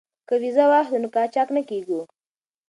که ویزه واخلو نو قاچاق نه کیږو.